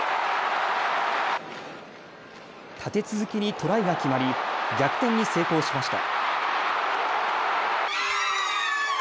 立て続けにトライが決まり逆転に成功しました。